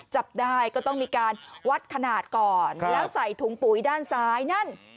จับได้ก็ต้องมีการวัดขนาดก่อนแล้วใส่ถุงปุ๋ยด้านซ้ายนั่น